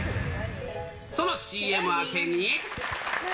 そのＣＭ明けに。